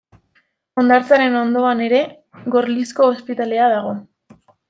Hondartzaren ondoan ere Gorlizko Ospitalea dago.